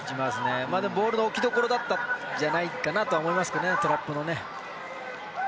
でも、ボールの置きどころだったんじゃないかと思いますけどね、トラップの。